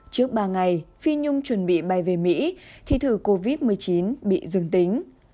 trước ba ngày phi nhung chuẩn bị bay về mỹ thì thử covid một mươi chín bị dương tính